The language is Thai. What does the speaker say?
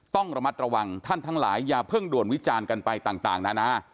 ต้องระมัดระวังท่านทั้งหลายอย่าเพิ่งด่วนวิจารณ์กันไปต่างนานา